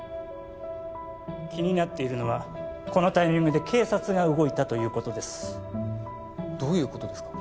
気になっているのはこのタイミングで警察が動いたということですどういうことですか？